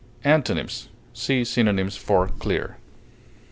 Antonyms: See synonyms for CLEAR.